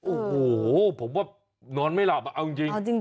โอ้โหผมว่านอนไม่หลับเอาจริง